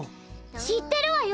知ってるわよ。